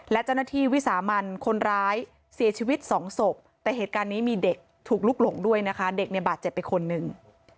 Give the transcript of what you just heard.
และเจ้าหน้าที่วิสามันคนร้ายเสียชีวิตสองศพแต่เหตุการณ์นี้มีเด็กถูกลุกหลงด้วยนะคะเด็กในบาดเจ็บไปคนหนึ่ง